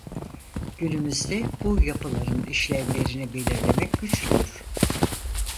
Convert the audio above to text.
Günümüzde bu yapıların işlevlerini belirlemek güçtür.